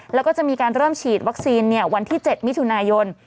แล้วก็จะมีการเริ่มฉีดวัคซีนวันที่๗มิถุนายน